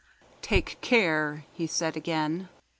"Take care!" he said again.